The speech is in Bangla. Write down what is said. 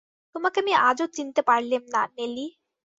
তোমাকে আমি আজও চিনতে পারলেম না, নেলি।